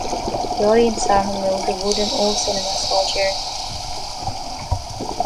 The audience sat on rows of wooden old cinema-style chairs.